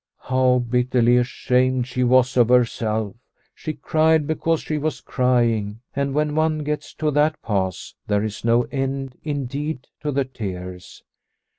How bitterly ashamed she was of herself. She cried because she was crying, and when one gets to that pass there is no end indeed to the tears.